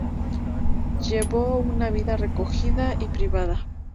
Llevó una vida recogida y privada.